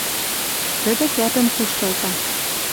Тӹдӹ кӓпӹм куштылта